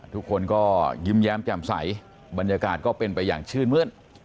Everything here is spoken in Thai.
ทุกคนก็ยิ้มแย้มแจ่มใสบรรยากาศก็เป็นไปอย่างชื่นมื้น